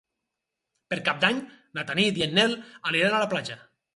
Per Cap d'Any na Tanit i en Nel aniran a la platja.